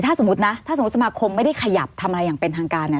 ถ้าสมมุตินะถ้าสมมุติสมาคมไม่ได้ขยับทำอะไรอย่างเป็นทางการเนี่ย